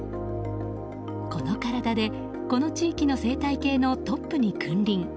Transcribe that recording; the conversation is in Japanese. この体でこの地域の生態系のトップに君臨。